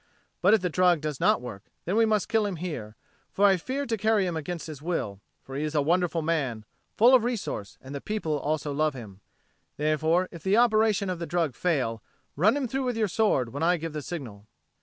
But if the drug does not work, then we must kill him here; for I fear to carry him against his will; for he is a wonderful man, full of resource, and the people also love him. Therefore, if the operation of the drug fail, run him through with your sword when I give the signal."